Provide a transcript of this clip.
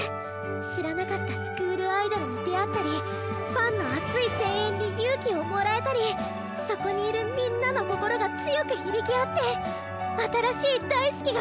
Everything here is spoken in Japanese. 知らなかったスクールアイドルに出会ったりファンの熱い声援に勇気をもらえたりそこにいるみんなの心が強く響き合って新しい大好きが生まれる！